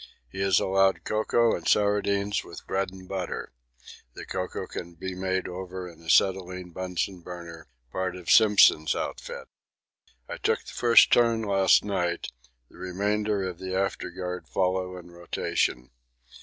He is allowed cocoa and sardines with bread and butter the cocoa can be made over an acetylene Bunsen burner, part of Simpson's outfit. I took the first turn last night; the remainder of the afterguard follow in rotation.